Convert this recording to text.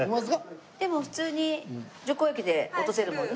でも普通に除光液で落とせるもんね？